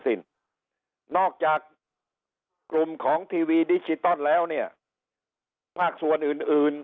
นอกจากกลุ่มของทีวีดิจิตอลแล้วเนี่ยภาคส่วนอื่นอื่น